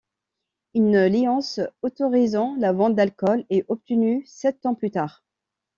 Une licence autorisant la vente d'alcool est obtenue sept ans plus tard.